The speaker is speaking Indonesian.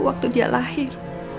waktu dia lahir